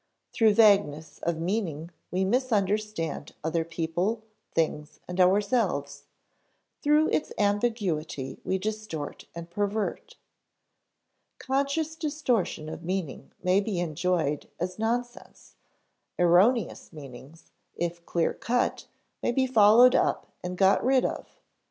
Through vagueness of meaning we misunderstand other people, things, and ourselves; through its ambiguity we distort and pervert. Conscious distortion of meaning may be enjoyed as nonsense; erroneous meanings, if clear cut, may be followed up and got rid of.